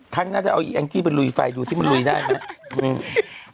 ท่านน่าจะเอาอีกแองจิเป็นรุยไฟดูที่มันรุยได้ไหม